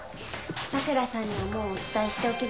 佐倉さんにはもうお伝えしておきましたので。